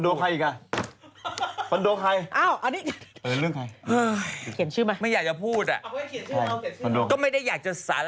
เดี๋ยวเนี่ยโฆษณาก่อนดีกว่า